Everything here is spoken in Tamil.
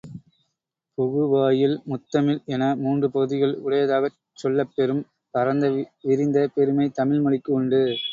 புகு வாயில் முத்தமிழ் என மூன்று பகுதிகள் உடையதாகச் சொல்லப்பெறும் பரந்த விரிந்த பெருமை தமிழ் மொழிக்கு உண்டு.